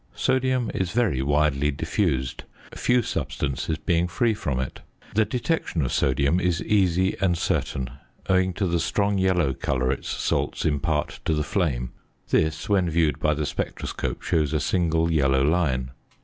Sodium is very widely diffused, few substances being free from it. The detection of sodium is easy and certain, owing to the strong yellow colour its salts impart to the flame; this, when viewed by the spectroscope, shows a single yellow line.